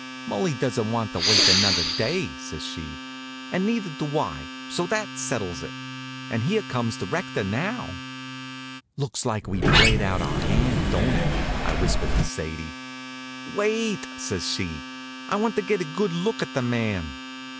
"Mulli doesn't want to wait another day," says she, "and neither do I, so that settles it. And here comes the rector, now." "Looks like we'd played out our hand, don't it?" I whispered to Sadie. "Wait!" says she. "I want to get a good look at the man."